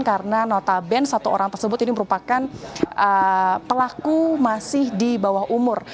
karena notabene satu orang tersebut ini merupakan pelaku masih di bawah umur